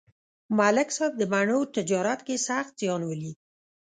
ملک صاحب د مڼو تجارت کې سخت زیان ولید.